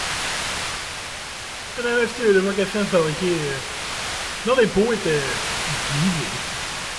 Le même style de mocassins fabriqués dans des peaux était utilisé.